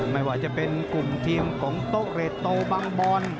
ไม่ว่าจะเป็นกลุ่มทีมของโต๊ะเรตโตบังบอล